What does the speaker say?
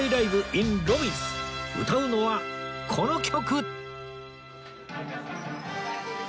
歌うのはこの曲！